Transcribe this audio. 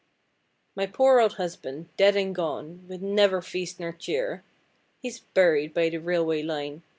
'My poor old husband, dead and gone with never feast nor cheer; He's buried by the railway line!